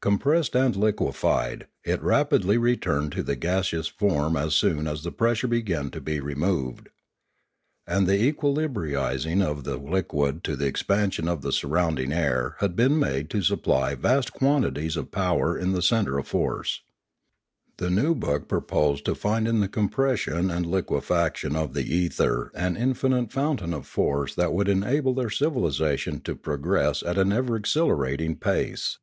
Compressed and liquefied, it rapidly returned to the gaseous form as soon as the pressure began to be removed. And the re equilibrising of the liquid to the expansion of the sur rounding air had been made to supply vast quantities of power in the centre of force. The new book pro posed to find in the compression and liquefication of the ether an infinite fountain of force that would enable their civilisation to progress at an ever accelerating pace.